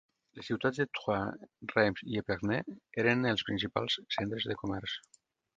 Les ciutats de Troyes, Reims i Épernay eren els principals centres de comerç.